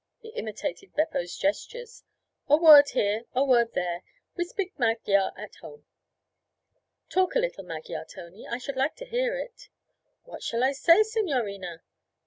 He imitated Beppo's gestures. 'A word here, a word there. We spik Magyar at home.' 'Talk a little Magyar, Tony. I should like to hear it.' 'What shall I say, signorina?'